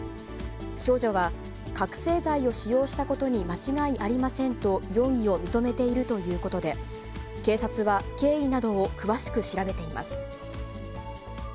少女は、覚醒剤を使用したことに間違いありませんと容疑を認めているということで、警察は経緯などを詳しく調べています。